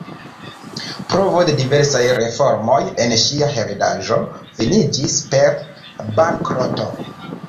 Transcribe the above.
Provo de diversaj reformoj en ŝia heredaĵo finiĝis per bankroto.